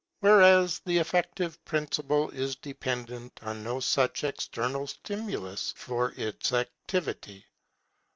Whereas the affective principle is dependent on no such external stimulus for its activity.